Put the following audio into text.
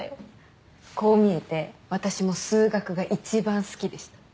こう見えて私も数学が一番好きでした。